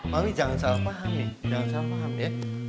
mami jangan salah paham ya